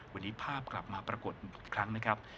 วันนี้ภาพกลับมาปรากฏอีกครั้งนะครับ